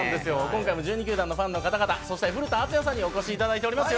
今回も１２球団のファンの方々そして古田敦也さんにお越しいただいております。